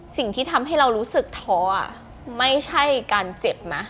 สิ่งที่ทำให้เรารู้สึกท้อไม่ใช่การเจ็บนะ